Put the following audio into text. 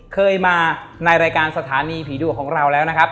เคยมาในรายการสถานีผีดุของเราแล้วนะครับ